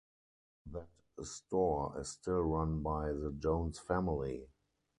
That store is still run by the Jones family.